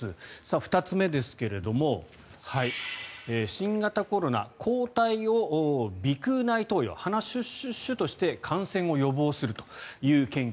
２つ目ですが新型コロナ抗体の鼻腔内投与で鼻シュッシュして感染を予防するという研究。